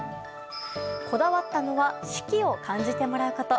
こだわったのは四季を感じてもらうこと。